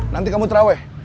nanti kamu traweh